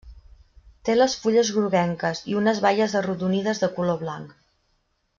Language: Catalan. Té les fulles groguenques i unes baies arrodonides de color blanc.